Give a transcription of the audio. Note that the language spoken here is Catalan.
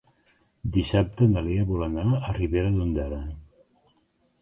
Dissabte na Lea vol anar a Ribera d'Ondara.